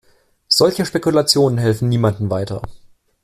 Solche Spekulationen helfen niemandem weiter.